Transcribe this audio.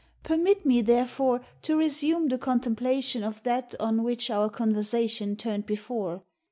Permit me, therefore, to resume the contemplation of that on which our conversation turned before.